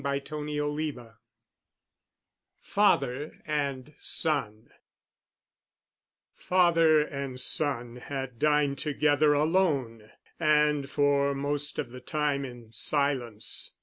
*CHAPTER XIV* *FATHER AND SON* Father and son had dined together alone, and for most of the time in silence.